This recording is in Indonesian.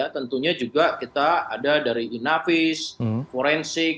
tentunya juga kita ada dari inavis forensik